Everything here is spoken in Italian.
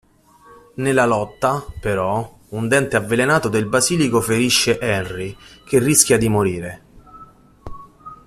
Nella lotta, però, un dente avvelenato del basilico ferisce Harry, che rischia di morire.